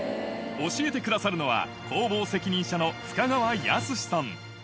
教えてくださるのは、工房責任者の深川泰さん。